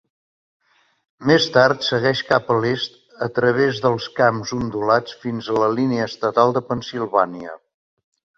Més tard segueix cap a l'est a través dels camps ondulats fins a la línia estatal de Pensilvània.